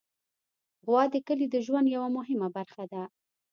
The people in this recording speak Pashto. غوا د کلي د ژوند یوه مهمه برخه ده.